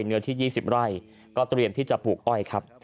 เนื้อที่๒๐ไร่ก็เตรียมที่จะปลูกอ้อยครับ